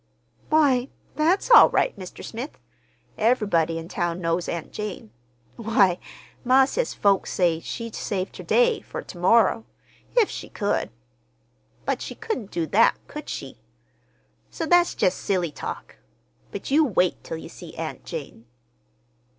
"Why, that's all right, Mr. Smith. Ev'rybody in town knows Aunt Jane. Why, Ma says folks say she'd save ter day for ter morrer, if she could. But she couldn't do that, could she? So that's just silly talk. But you wait till you see Aunt Jane."